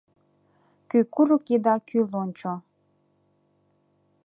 Кӱ курык еда кӱ лончо.